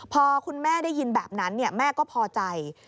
พอคุณแม่ได้ยินแบบนั้นแม่ก็พอใจ